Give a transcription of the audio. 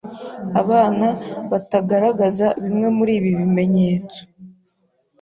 Abana batagaragaza bimwe muri ibi bimenyetso